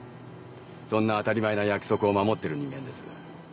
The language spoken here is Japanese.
そんな当たり前な約束を守ってる人間です。